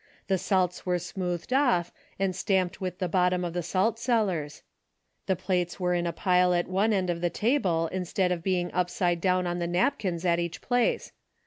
The salts were smoothed off and stamped with the bottom of the salt cellars. The plates were in a pile at one end of the table instead of being upside down on the napkins at each place.